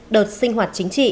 đợt sinh hoạt chính trị